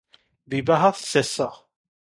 ବିବାହ ଶେଷ ।